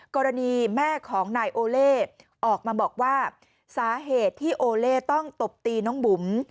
กรณีแม่ของนายโอเล่ออกมาบอกว่าสาเหตุที่โอเล่ต้องตบตีน้องบุ๋ม